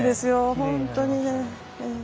本当にね。